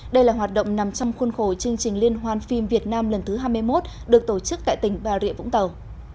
đây là hoạt động nằm trong khuôn khổ chương trình liên hoan phim việt nam lần thứ hai mươi một được tổ chức tại tỉnh bà rịa vũng tàu